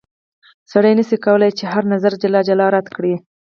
سړی نه سي کولای چې هر نظر جلا جلا رد کړي.